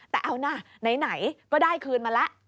แต่เอานะไหนก็ได้คืนมาแล้ว